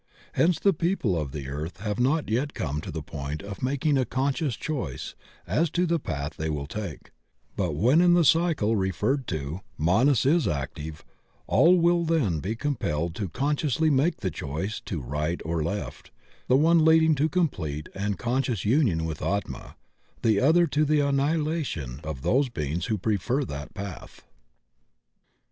Hence tihe people of the earth have not yet come to the point of making a conscious choice as to the path they will take; but when in the cycle referred to, Manas is active, all will then be compelled to consciously make the choice to right or left, the one leading to complete and con scious union with Atma, the other to the annihilation of those beings who prefer that path.